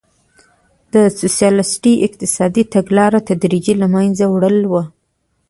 د سوسیالیستي اقتصادي تګلارو تدریجي له منځه وړل وو.